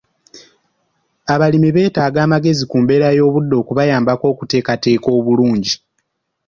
Abalimi beetaaga amagezi ku mbeera y'obudde okubayambako okuteekateeka obulungi